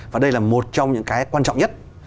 và đây là một trong những cái quan trọng nhất